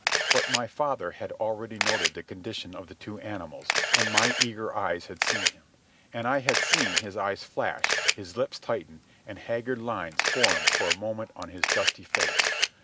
But my father had already noted the condition of the two animals, and my eager eyes had seen him. And I had seen his eyes flash, his lips tighten, and haggard lines form for a moment on his dusty face.